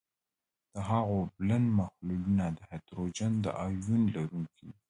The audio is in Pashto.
د هغوي اوبلن محلولونه د هایدروجن د آیون لرونکي دي.